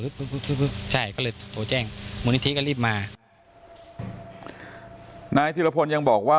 ใช่ก็เลยโทรแจ้งมูลนิธิก็รีบมานายธิรพลยังบอกว่า